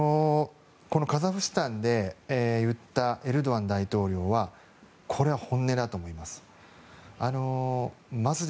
このカザフスタンで言ったエルドアン大統領はこれは本音だと思います。